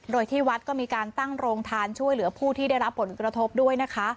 โดยที่วัดก็มีการตั้งโรงทานช่วยเหลือผู้ที่ได้รับผลกระทบด้วยนะคะ